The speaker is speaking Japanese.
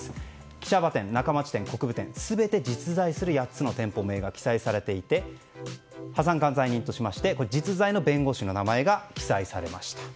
騎射場店、中町店など全て実在する８つの店舗名が記載されていて破産管財人として実在の弁護士の名前が記載されました。